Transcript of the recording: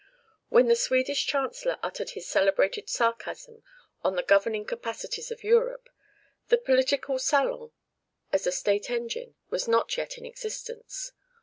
When the Swedish Chancellor uttered his celebrated sarcasm on the governing capacities of Europe, the political salon, as a state engine, was not yet in existence.